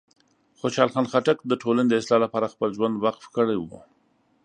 خوشحال خان خټک د ټولنې د اصلاح لپاره خپل ژوند وقف کړی و.